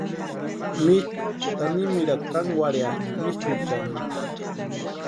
Mitʼu tanimirhakwa kankwarhiatʼi mitʼuchani.